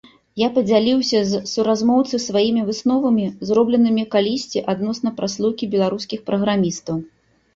Я падзяліўся з суразмоўніцай сваімі высновамі, зробленымі калісьці адносна праслойкі беларускіх праграмістаў.